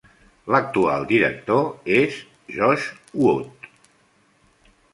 L'actual director és Josh Wood.